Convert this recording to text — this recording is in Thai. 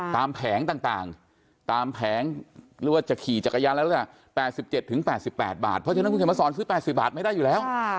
ตามแผงต่างตามแผงเรียกว่าจะขี่จากกายารแล้วล่ะ๘๗๘๘บาทเพราะฉะนั้นคุณเขมสรซื้อ๘๐บาทไม่ได้อยู่แล้ว